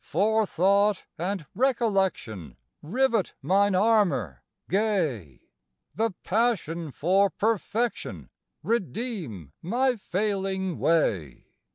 Forethought and recollection Rivet mine armor gay! The passion for perfection Redeem my failing way!